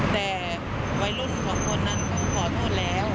แต่วัยรุ่นสองคนนั้นขอโทษแล้ว